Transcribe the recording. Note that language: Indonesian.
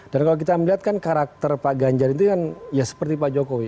dan kalau kita melihat kan karakter pak ganjar itu kan ya seperti pak jokowi